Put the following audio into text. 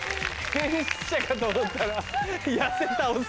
変質者かと思ったら。